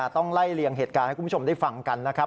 ต้องไล่เลี่ยงเหตุการณ์ให้คุณผู้ชมได้ฟังกันนะครับ